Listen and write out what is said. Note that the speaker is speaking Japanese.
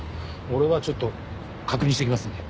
俺はちょっと確認してきますんで。